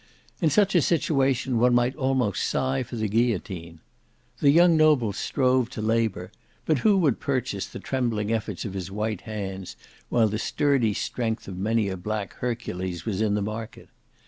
In such a situation one might almost sigh for the guillotine. The young noble strove to labour; but who would purchase the trembling efforts of his white hands, while the sturdy strength of many a black Hercules was in the market?